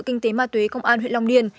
kinh tế ma tuế công an huyện long điền